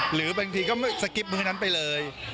หรือบางทีก็สกิปมือนั้นไปเลย